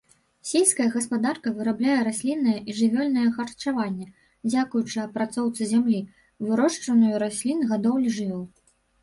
Сельская гаспадарка вырабляе расліннае і жывёльнае харчаванне, дзякуючы апрацоўцы зямлі, вырошчванню раслін, гадоўлі жывёл.